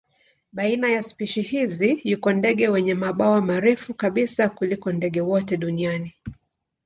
Baina ya spishi hizi yuko ndege wenye mabawa marefu kabisa kuliko ndege wote duniani.